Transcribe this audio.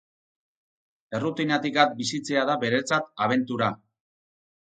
Errutinatik at bizitzea da beretzat abentura.